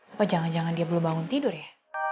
apa jangan jangan dia belum bangun tidur ya